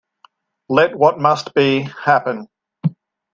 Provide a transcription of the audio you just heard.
Let what must be, happen.